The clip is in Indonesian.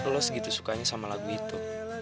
lo segitu sukanya sama lagu itu